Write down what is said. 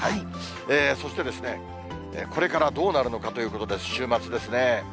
そして、これからどうなるのかということで、週末ですね。